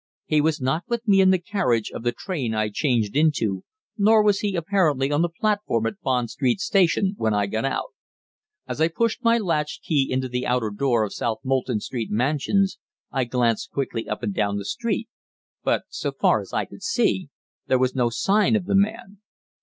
He was not with me in the carriage of the train I changed into, nor was he, apparently, on the platform at Bond Street station when I got out. As I pushed my latch key into the outer door of South Molton Street Mansions, I glanced quickly up and down the street, but, so far as I could see, there was no sign of the man.